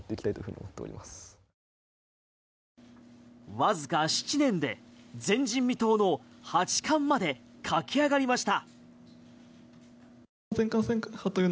わずか７年で前人未到の八冠まで駆け上がりました。